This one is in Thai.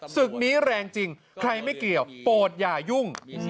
ศึกนี้แรงจริงใครไม่เกี่ยวโปรดอย่ายุ่ง